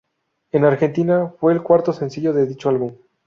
En Argentina, fue el cuarto sencillo de dicho álbum.